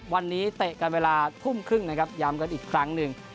วันนี้เตะกันเวลาทุ่มครึ่งนะครับย้ำกันอีกครั้งหนึ่ง